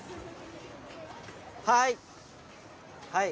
はい。